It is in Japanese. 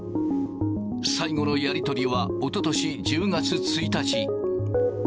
最後のやり取りは、おととし１０月１日。